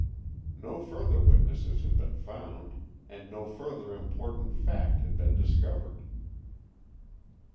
No further witnesses had been found, and no further important fact had been discovered.